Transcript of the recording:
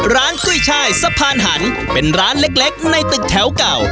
กุ้ยช่ายสะพานหันเป็นร้านเล็กในตึกแถวเก่า